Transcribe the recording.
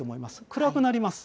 暗くなります。